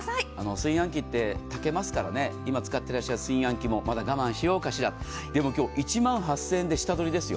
炊飯器って炊けますから、今使っていらっしゃる炊飯器もまだ我慢しようかしら、でも今日、１万８０００円で下取りですよ。